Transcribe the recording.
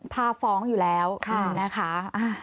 พาฟ้องอยู่แล้วนะคะ